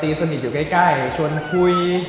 สนิทอยู่ใกล้ชวนคุย